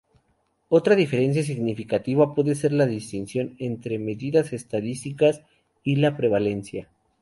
Otra diferencia significativa puede ser la distinción entre medidas estadísticas y la prevalencia.